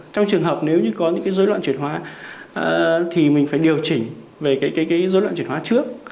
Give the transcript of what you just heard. trong trường hợp nếu như có những cái dối loạn chuyển hóa thì mình phải điều chỉnh về cái dối loạn chuyển hóa trước